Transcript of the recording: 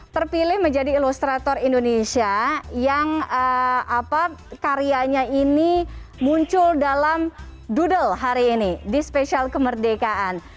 terpilih menjadi ilustrator indonesia yang karyanya ini muncul dalam doodle hari ini di spesial kemerdekaan